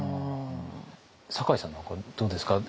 酒井さんなんかどうですか？